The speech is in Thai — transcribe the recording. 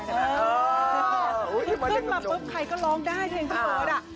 ขึ้นมาปุ๊บใครก็ร้องได้เพียงเจ้าเบิร์ด